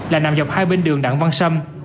là nằm dọc hai bên đường đảng văn xâm